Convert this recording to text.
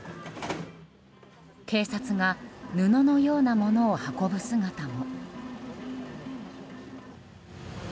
警察が布のようなものを運ぶ姿も。